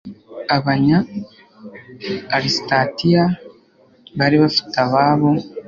abanya alsatiya bari bafite ababo